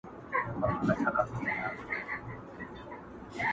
دا برخه د کيسې له تر ټولو پياوړو او اغېزمنو شېبو څخه ګڼل کيږي،